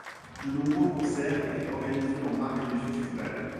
De nombreux concerts étaient organisés en marge du Festival.